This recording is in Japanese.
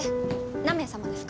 何名様ですか？